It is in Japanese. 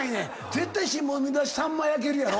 絶対新聞の見出し「さんま焼ける」やろ？